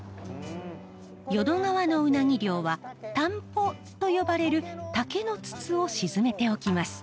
淀川のウナギ漁はタンポと呼ばれる竹の筒を沈めておきます。